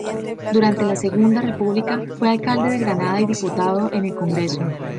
Durante la Segunda República fue alcalde de Granada y diputado en el Congreso.